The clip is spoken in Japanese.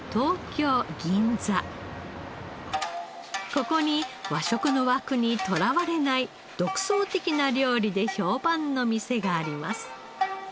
ここに和食の枠にとらわれない独創的な料理で評判の店があります。